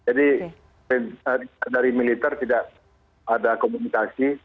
jadi dari militer tidak ada komunikasi